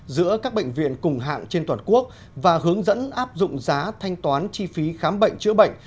giữa các bệnh viện cùng hạng trên toàn quốc và hướng dẫn áp dụng giá thanh toán chi phí khám bệnh chữa bệnh